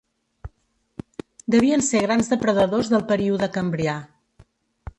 Devien ser grans depredadors del període Cambrià.